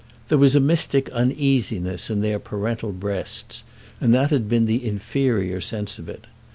There was a mystic uneasiness in their parental breasts, and that had been the inferior sense of it.